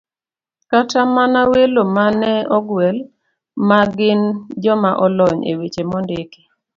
Kata mana welo ma ne ogwel, ma gin joma olony e weche mondiki